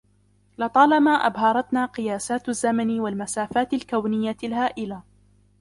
لطالما أبهرتنا قياسات الزمن والمسافات الكونية الهائلة